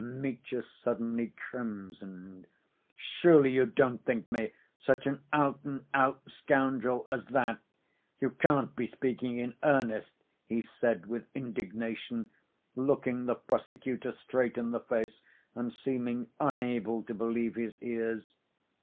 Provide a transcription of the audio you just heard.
Mitya suddenly crimsoned. "Surely you don't think me such an out and out scoundrel as that? You can't be speaking in earnest?" he said, with indignation, looking the prosecutor straight in the face, and seeming unable to believe his ears.